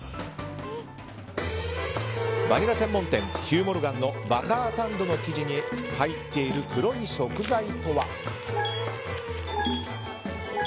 バニラ専門店ヒュー・モルガンのバターサンドの生地に入っている黒い食材とは。